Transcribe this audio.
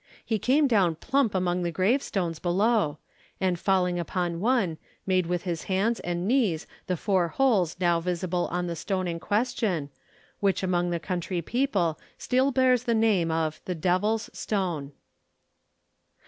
He came down plump among the gravestones below, and falling upon one, made with his hands and knees the four holes now visible on the stone in question, which among the country people still bears the name of the Devil's Stone.